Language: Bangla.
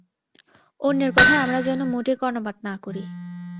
অন্যের কথায় আমরা যেন মোটেই কর্ণপাত না করি।